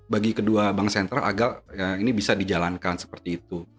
bagi kedua bank sentral agar ini bisa dijalankan seperti itu